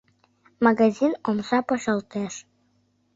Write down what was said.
Магазин омса почылтеш.